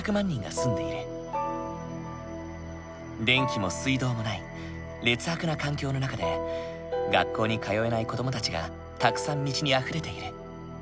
電気も水道もない劣悪な環境の中で学校に通えない子どもたちがたくさん道にあふれている。